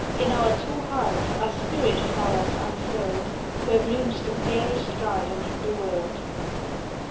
In our two hearts are spirit flow'rs unfurled, Where blooms the fairest garden in the world.